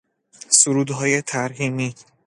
سرودهای ترحیمی